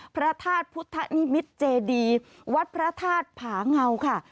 พระธาตุพุทธนิมิตรเจดีวัดพระธาตุผาเงาค่ะ